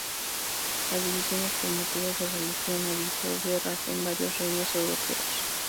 Las divisiones por motivos de religión avivó guerras en varios reinos europeos.